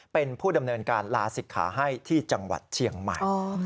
เป็นผู้ดำเนินการลาศิกขาให้ที่จังหวัดเชียงใหม่